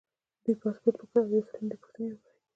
دوی پاسپورټ وکوت او یو څو لنډې پوښتنې یې وکړې.